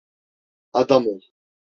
Adam ol.